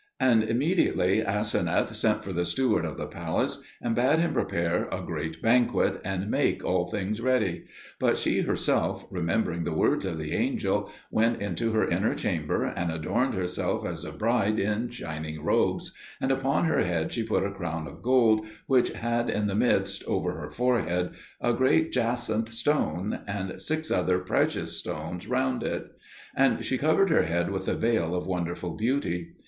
And immediately Aseneth sent for the steward of the palace and bade him prepare a great banquet, and make all things ready; but she herself, remembering the words of the angel, went into her inner chamber and adorned herself as a bride, in shining robes, and upon her head she put a crown of gold which had in the midst, over her forehead, a great jacinth stone and six other precious stones round it; and she covered her head with a veil of wonderful beauty.